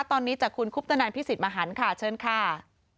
ตอนนี้จากคุณคุปตนันพิสิทธิมหันค่ะเชิญค่ะ